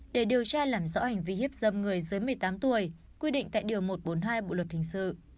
để điều tra làm rõ hành vi hiếp dâm người dưới một mươi tám tuổi quy định tại điều một trăm bốn mươi hai bộ luật hình sự